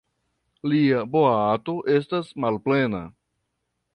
Lia boato estas malplena.